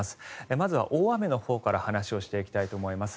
まずは大雨のほうから話をしていきたいと思います。